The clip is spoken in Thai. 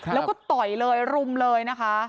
แล้วก็ต่อยเลยรุมเลยนะคะ